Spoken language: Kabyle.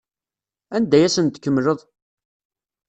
Anda ay asen-tkemmleḍ?